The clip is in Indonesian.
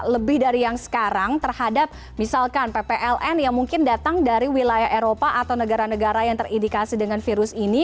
lebih dari yang sekarang terhadap misalkan ppln yang mungkin datang dari wilayah eropa atau negara negara yang terindikasi dengan virus ini